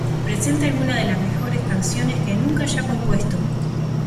Presenta algunas de las mejores canciones que nunca haya compuesto.